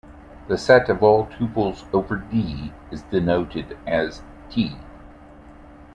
The set of all tuples over "D" is denoted as "T".